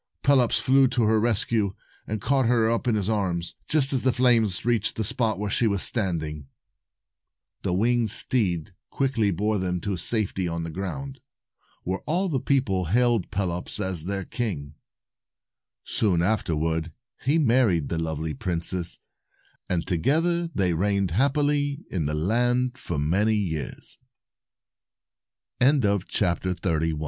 Pelops flew to her rescue, and caught her up in his arms, just as the flames reached the spot where she was standing. The winged steed quickly bore them in safety to the ground, where all the people hailed Pelops as their king. Soon afterward he married the lovely princess, and together they reigned hap pily in the land for many years. 267 A MIRACLE.